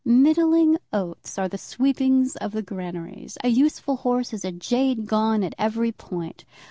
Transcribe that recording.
Middling oats are the sweepings of the granaries. A useful horse is a jade gone at every point.